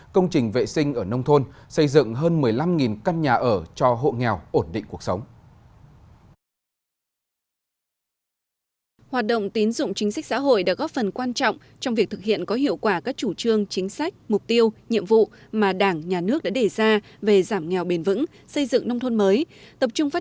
công trình vệ sinh ở nông thôn xây dựng hơn một mươi năm căn nhà ở cho hộ nghèo ổn định cuộc sống